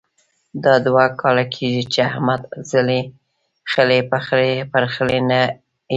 دا دوه کاله کېږې چې احمد خلی پر خلي نه اېږدي.